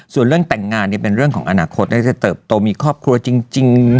ส่วนเรื่องแต่งงานเป็นเรื่องของอนาคตน่าจะเติบโตมีครอบครัวจริง